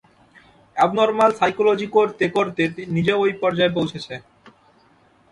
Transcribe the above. Abnormal psychology করতে-করতে নিজেও ঐ পর্যায়ে পৌঁছেছে।